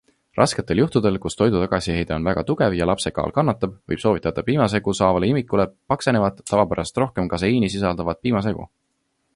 Rasketel juhtudel, kus toidu tagasiheide on väga tugev ja lapse kaal kannatab, võib soovitada piimasegu saavale imikule paksenevat, tavapärasest rohkem kaseiini sisaldavat piimasegu.